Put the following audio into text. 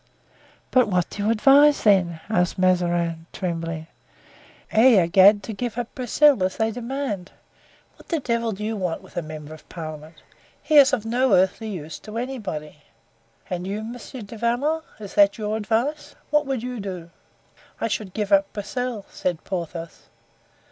"But what do you advise, then?" asked Mazarin, trembling. "Eh, egad, to give up Broussel as they demand! What the devil do you want with a member of the parliament? He is of no earthly use to anybody." "And you, Monsieur du Vallon, is that your advice? What would you do?" "I should give up Broussel," said Porthos.